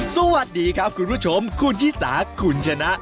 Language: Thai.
สวัสดีครับคุณผู้ชมคุณชิสาคุณชนะ